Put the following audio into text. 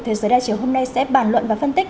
thế giới đa chiều hôm nay sẽ bàn luận và phân tích